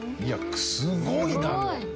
いやすごいな！